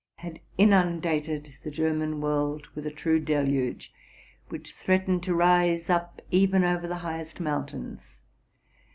had inundated the German world with a true deluge, which threatened to rise up, even over the high est mountains.